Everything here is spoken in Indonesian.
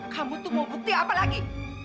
kamu tuh mau bukti apa lagi